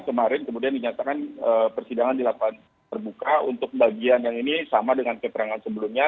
kemarin kemudian dinyatakan persidangan dilakukan terbuka untuk bagian yang ini sama dengan keterangan sebelumnya